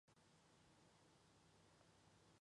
中国业界公认的打口源头是广东汕头的潮阳。